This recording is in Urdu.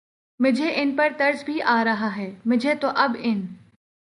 مجھے ان پر ترس بھی آ رہا ہے، مجھے تو اب ان